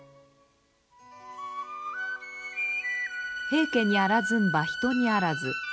平家にあらずんば人にあらず。